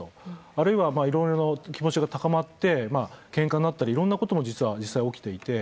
あるいはいろいろ気持ちが高まってけんかになったりいろんなことも実際起きていて。